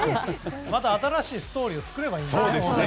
また新しいストーリーを作ればいいんですよね。